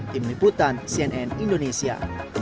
tim liputan cnn indonesia